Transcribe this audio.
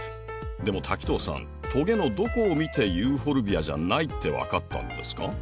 でも滝藤さんトゲのどこを見てユーフォルビアじゃないって分かったんですか？